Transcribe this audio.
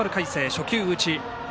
初球打ち。